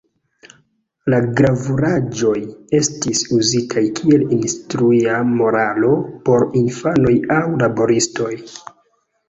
La gravuraĵoj estis uzitaj kiel instrua moralo por infanoj aŭ laboristoj.